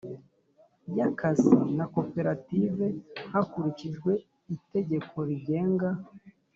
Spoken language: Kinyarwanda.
y akazi na Koperative hakurikijwe itegeko rigenga